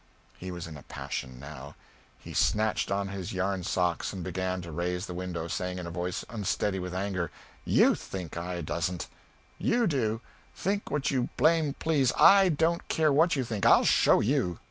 He was in a passion, now. He snatched on his yarn socks and began to raise the window, saying in a voice unsteady with anger "You think I dasn't you do! Think what you blame please I don't care what you think. I'll show you!"